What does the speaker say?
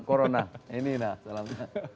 corona ini nah salam